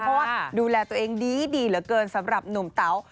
เพราะว่าดูแลตัวเองดีเหลือเกินสำหรับหนุ่มเต๋า